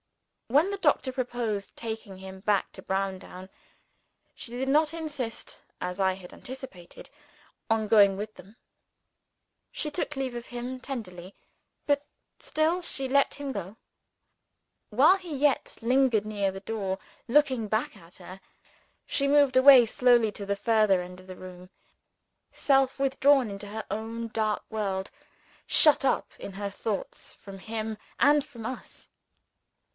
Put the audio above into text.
_ When the doctor proposed taking him back to Browndown, she did not insist, as I had anticipated, on going with them. She took leave of him tenderly but still she let him go. While he yet lingered near the door, looking back at her, she moved away slowly to the further end of the room; self withdrawn into her own dark world shut up in her thoughts from him and from us.